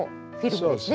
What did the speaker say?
そうですね。